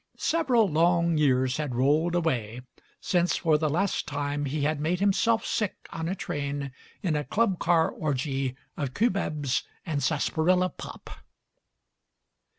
Several long years had rolled away since for the last time he had made himself sick on a train in a club car orgy of cubebs and sarsaparilla pop.